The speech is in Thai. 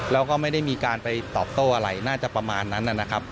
แล้วก็ไม่ได้มีการไปตอบโต้อะไรน่าจะประมาณนั้นนะครับ